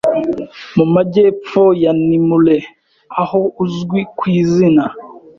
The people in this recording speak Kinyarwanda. mu majyepfo ya Nimule aho uzwi ku izina